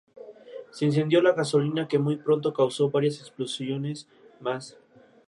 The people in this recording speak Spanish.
Se incendió la gasolina, que muy pronto causó varias explosiones más.